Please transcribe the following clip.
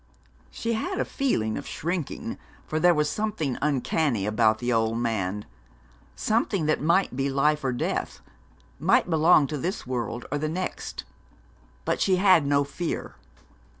She had a feeling of shrinking, for there was something uncanny about the old man, something that might be life or death, might belong to this world or the next; but she had no fear.